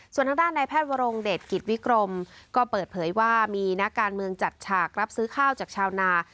ส่วนทางด้านในแพทย์วรงเดชกิจวิกรมก็เปิดเผยว่ามีนักการเมืองจัดฉากรับซื้อข้าวจากชาวนา